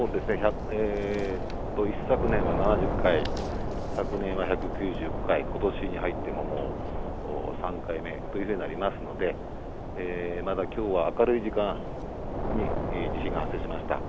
一昨年は７０回、昨年は１９５回、ことしに入ってももう３回目というふうになりますので、まだきょうは明るい時間に地震が発生しました。